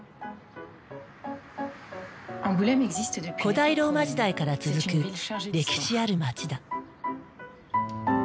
古代ローマ時代から続く歴史ある街だ。